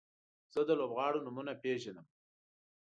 زه د لوبغاړو نومونه پیژنم.